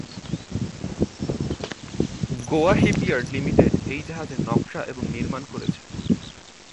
Goa shipyard limited এই জাহাজের নকশা এবং নির্মাণ করেছে।